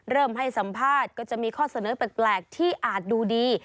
ให้สัมภาษณ์ก็จะมีข้อเสนอแปลกที่อาจดูดี